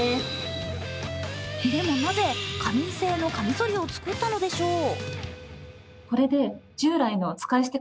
でもなぜ、紙製のカミソリを作ったのでしょう？